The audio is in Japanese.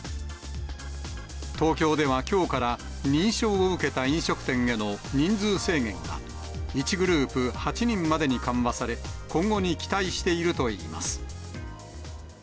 東京ではきょうから、認証を受けた飲食店への人数制限が１グループ８人までに緩和され、今後に期待しているといいます。